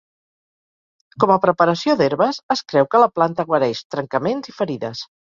Com a preparació d'herbes, es creu que la planta guareix trencaments i ferides.